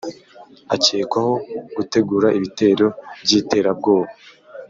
akekwaho gutegura ibitero by’iterabwoba